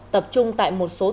tập trung tại một số trường hợp